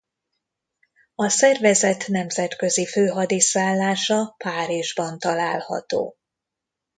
A szervezet nemzetközi főhadiszállása Párizsban található.